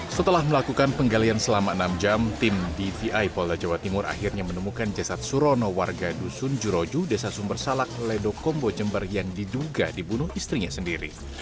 setelah melakukan penggalian selama enam jam tim dvi polda jawa timur akhirnya menemukan jasad surono warga dusun juroju desa sumber salak ledo kombo jember yang diduga dibunuh istrinya sendiri